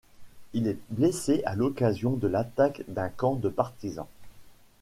Il est blessé à l'occasion de l'attaque d'un camp de partisans.